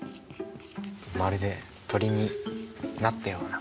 まるで鳥になったような。